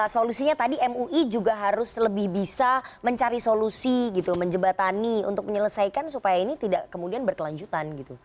solusinya tadi mui juga harus lebih bisa mencari solusi gitu menjebatani untuk menyelesaikan supaya ini tidak kemudian berkelanjutan gitu